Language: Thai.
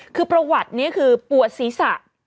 คือประวัตินี้คือปวดศีรษะ